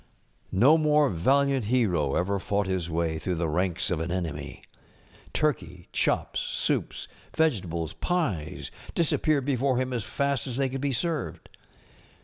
No more valiant hero ever fought his way through the ranks of an enemy. Turkey, chops, soups, vege^ Two Thanksgiving Day Gentlemen 57. tables^ picsy disappeared before him as fast as they could be served.